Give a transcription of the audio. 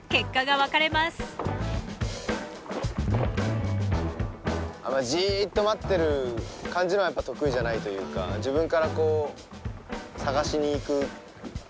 あんまりじっと待ってる感じのはやっぱ得意じゃないというか自分からこう探しに行く感じが多分性には合ってて。